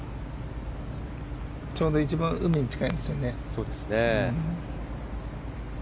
ちょうど一番、海に近いんですよね。